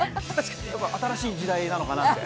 新しい時代なのかなって。